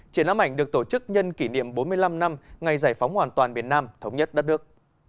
triển lãm ảnh được tổ chức nhân kỷ niệm bốn mươi năm năm ngày giải phóng hoàn toàn biển nam thống nhất đất nước